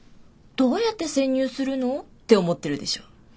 「どうやって潜入するの？」って思ってるでしょ。